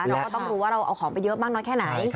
เราก็ต้องรู้ว่าเราเอาของไปเยอะมากน้อยแค่ไหน